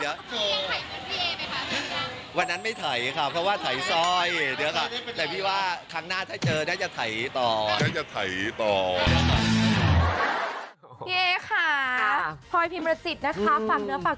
อย่างเงี้ยพี่เอก็บอกว่าเนี้ยหลานฉันก็มีเป็นหลานสาวด้วยอย่างเงี้ยให้หลานได้นะแต่พี่อ้ำเบื่อแล้ว